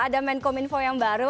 ada menkom info yang baru